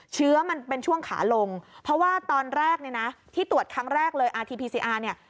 เชื้อมันเป็นช่วงขาลงเพราะว่าตอนแรกเนี่ยนะที่ตรวจครั้งแรกเลยอาทีพีซีอาร์เนี่ย